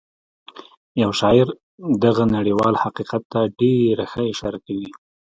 یو شاعر دغه نړیوال حقیقت ته ډېره ښه اشاره کوي